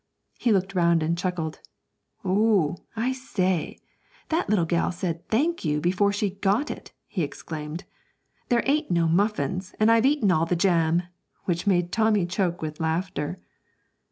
He looked round and chuckled. 'Oh, I say; that little gal said "thank you" before she got it!' he exclaimed. 'There ain't no muffins, and I've eaten all the jam!' which made Tommy choke with laughter.